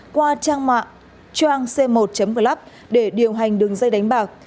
qua trang mạng trangc một club để điều hành đường dây đánh bạc